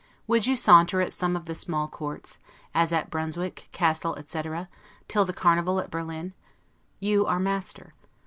Would you saunter at some of the small courts, as Brunswick, Cassel, etc., till the Carnival at Berlin? You are master.